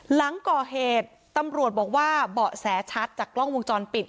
หลังก่อเหตุตำรวจบอกว่าเบาะแสชัดจากกล้องวงจรปิด